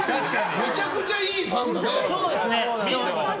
めちゃくちゃいいファンだね。